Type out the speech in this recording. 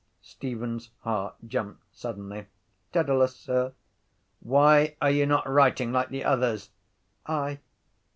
Stephen’s heart jumped suddenly. —Dedalus, sir. —Why are you not writing like the others? —I...